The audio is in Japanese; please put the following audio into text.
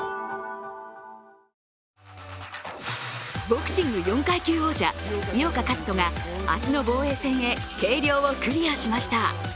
ボクシング４階級王者、井岡一翔が明日の防衛戦へ計量をクリアしました。